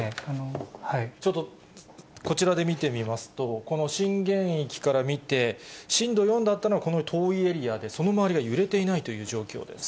ちょっとこちらで見てみますと、この震源域から見て、震度４だったのが、この遠いエリアで、その周りが揺れていないという状況です。